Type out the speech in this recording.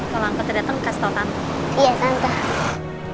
kalo angkotnya dateng kasih tau tante